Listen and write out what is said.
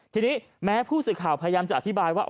ทีนี้แม้ผู้สื่อข่าวพยายามจะอธิบายว่า